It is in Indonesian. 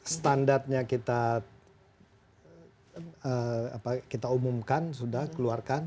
standarnya kita umumkan sudah keluarkan